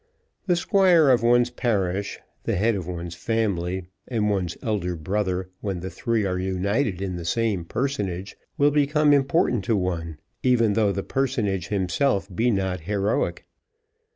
The squire of one's parish, the head of one's family, and one's elder brother, when the three are united in the same personage, will become important to one, even though the personage himself be not heroic.